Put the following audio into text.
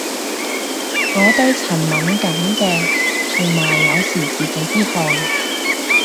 我對塵敏感嘅，同埋有時自己啲汗